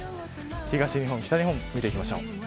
東日本北日本、見ていきましょう。